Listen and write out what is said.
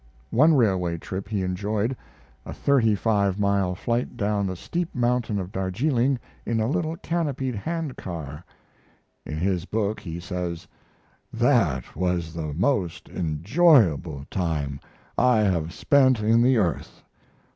One railway trip he enjoyed a thirty five mile flight down the steep mountain of Darjeeling in a little canopied hand car. In his book he says: That was the most enjoyable time I have spent in the earth.